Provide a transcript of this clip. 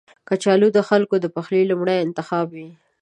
کچالو د خلکو د پخلي لومړنی انتخاب وي